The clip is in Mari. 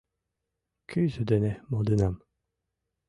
— Кӱзӧ дене модынам.